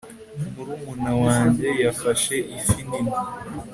murumuna wanjye yafashe ifi nini